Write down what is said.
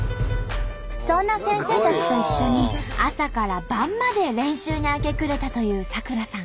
そんな先生たちと一緒に朝から晩まで練習に明け暮れたという咲楽さん。